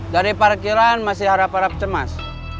dari parkiran masih harap harap cemas